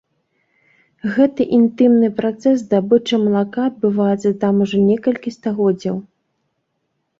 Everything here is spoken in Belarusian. Гэты інтымны працэс здабычы малака адбываецца там ужо некалькі стагоддзяў.